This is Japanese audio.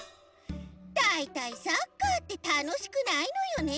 だいたいサッカーってたのしくないのよね。